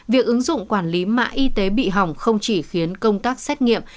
việc ứng dụng quản lý mạng y tế bị hỏng không chỉ khiến công tác xét nghiệm